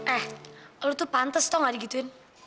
eh lo tuh pantes toh gak digituin